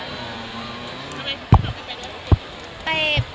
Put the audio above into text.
ลองไป